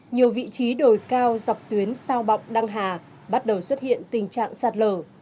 nhiều vị trí đồi cao dọc tuyến sao bọc đăng hà bắt đầu xuất hiện tình trạng sạt lở